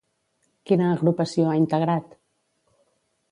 Quina agrupació ha integrat?